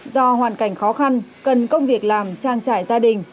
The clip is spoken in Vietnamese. do hoàn cảnh khó khăn cần công việc làm trang trải gia đình